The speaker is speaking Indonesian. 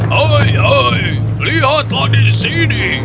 hei lihatlah di sini